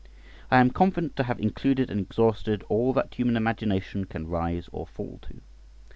I am confident to have included and exhausted all that human imagination can rise or fall to.